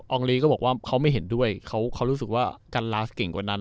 องลีก็บอกว่าเขาไม่เห็นด้วยเขารู้สึกว่ากัลลาสเก่งกว่านั้น